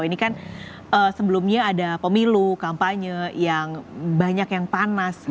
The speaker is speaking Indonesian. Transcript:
ini kan sebelumnya ada pemilu kampanye yang banyak yang panas